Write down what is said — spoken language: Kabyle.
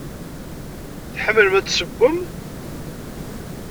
Tḥemmlem ad tessewwem?